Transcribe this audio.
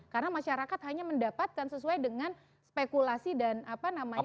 karena masyarakat hanya mendapatkan sesuai dengan spekulasi dan apa namanya